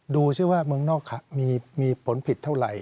ดูซิว่าเมืองนอกมีผลผิดเท่าไหร่